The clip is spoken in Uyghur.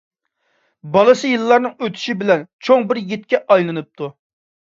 بالىسى يىللارنىڭ ئۆتۈشى بىلەن چوڭ بىر يىگىتكە ئايلىنىپتۇ.